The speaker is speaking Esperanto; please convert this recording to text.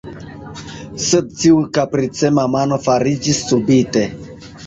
Sed tiu kapricema mano foriĝis subite.